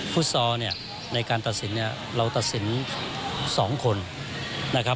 ฟุตซอลในการตัดสินเราตัดสิน๒คนนะครับ